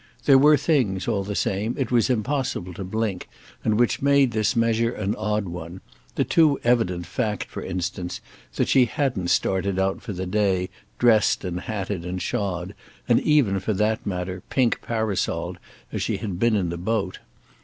There were things, all the same, it was impossible to blink and which made this measure an odd one—the too evident fact for instance that she hadn't started out for the day dressed and hatted and shod, and even, for that matter, pink parasol'd, as she had been in the boat.